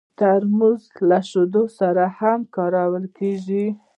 ترموز له شیدو سره هم کارېږي.